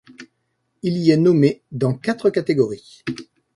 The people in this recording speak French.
Il y est nommé dans quatre catégories.